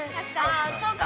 あそうかも。